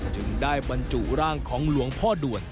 จึงได้บรรจุร่างของหลวงพ่อด่วน